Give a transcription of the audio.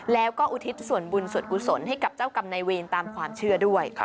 แล้วก็อุทิศส่วนบุญส่วนกุศลให้กับเจ้ากรรมนายเวรตามความเชื่อด้วย